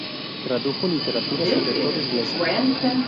Tradujo literatura, sobre todo inglesa.